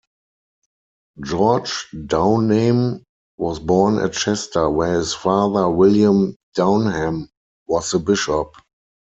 George Downame was born at Chester, where his father William Downham was the bishop.